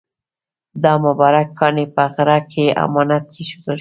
دا مبارک کاڼی په غره کې امانت کېښودل شو.